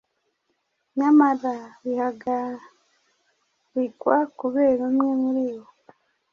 nyamara bihagarikwa kubera umwe muri bo.